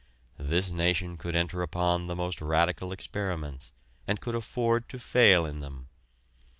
This nation could enter upon the most radical experiments and could afford to fail in them.